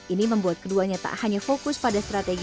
ini membuat keduanya tak hanya fokus pada strategi